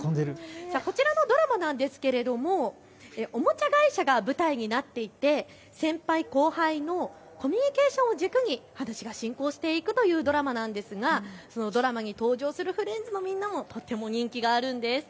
こちらのドラマなんですがおもちゃ会社が舞台になっていて先輩、後輩のコミュニケーションを軸に話が進行していくというドラマなんですが、そのドラマに登場するフレンズのみんなもとても人気があるんです。